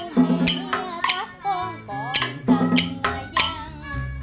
xếp bao cây đánh